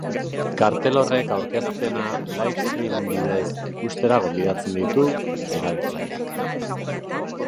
Kartel horrek aurkezpena livestream bidez ikustera gonbidatzen ditu erabiltzaileak.